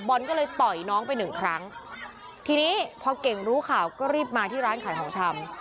ก็เลยต่อยน้องไปหนึ่งครั้งทีนี้พอเก่งรู้ข่าวก็รีบมาที่ร้านขายของชำ